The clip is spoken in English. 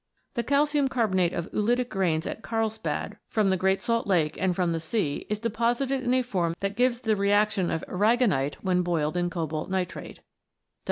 The calcium carbonate of oolitic grains at Karlsbad, from the Great Salt Lake, and from the sea, is deposited in a form that gives the reaction of aragonite when boiled in cobalt nitrate.